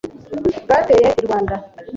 Bwateye I Rwanda